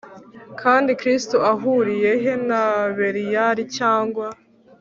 Kandi kristo ahuriye he na beliyali cyangwa